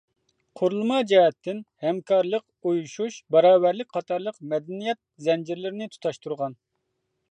قۇرۇلما جەھەتتىن ھەمكارلىق، ئۇيۇشۇش، باراۋەرلىك قاتارلىق مەدەنىيەت زەنجىرلىرىنى تۇتاشتۇرغان.